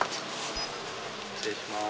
失礼します。